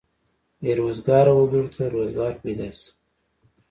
بې روزګاره وګړو ته روزګار پیدا شي.